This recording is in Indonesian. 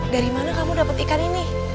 dari mana kamu dapat ikan ini